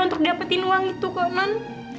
untuk dapetin uang itu kok